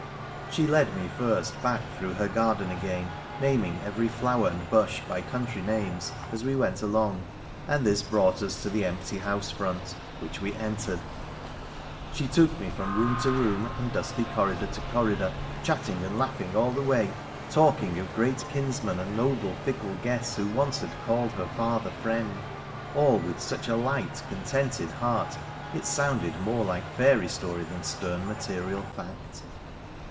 She led me first back through her garden again, naming every flower and bush by country names as we went along, and this brought us to the empty house front, which we entered. She took me from room to room, and dusty corridor to corridor, chatting and laughing all the way, talking of great kinsmen, and noble fickle guests who once had called her father friend — all with such a light, contented heart it sounded more like fairy story than stern material fact.